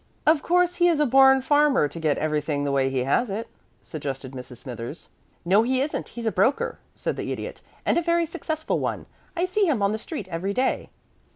"Of course he is a born farmer to get everything the way he has it," suggested Mrs. Smithers. "No, he isn't. He's a broker," said the Idiot, "and a very successful one. I see him on the street every day."